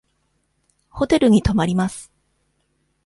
ホテルに泊まります。